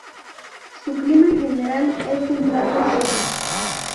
Su clima en general es templado seco.